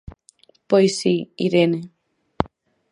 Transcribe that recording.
Pois si, Irene.